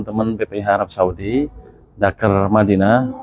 teman teman bph arab saudi daker madinah